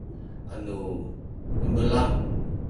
anu imelang